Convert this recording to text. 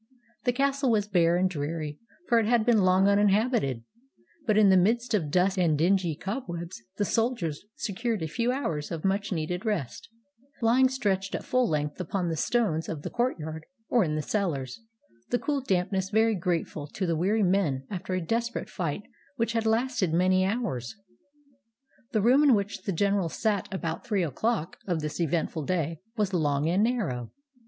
The castle was bare and dreary, for it had long been uninhabited, but in the midst of dust and dingy cobwebs the soldiers secured a few hours of much needed rest, lying stretched at full length upon the stones of the courtyard or in the cellars, the cool damp ness very grateful to the weary men after a desperate fight which had lasted many hours. The room in which the general sat about three o'clock of this eventful day was long and narrow.